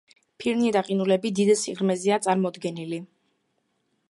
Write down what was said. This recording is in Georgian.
ფირნი და ყინულები დიდ სიღრმეზეა წარმოდგენილი.